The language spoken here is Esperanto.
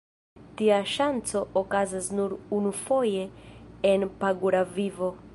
Tia ŝanco okazas nur unufoje en pagura vivo.